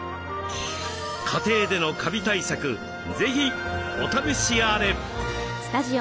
家庭でのカビ対策是非お試しあれ。